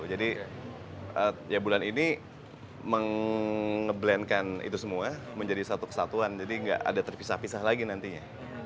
jadi bulan ini mengeblendkan itu semua menjadi satu kesatuan jadi tidak ada terpisah pisah lagi nantinya